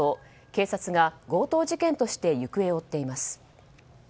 警察が強盗事件として行方を追っています。